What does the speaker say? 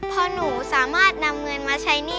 เพราะหนูสามารถนำเงินใช้หนี้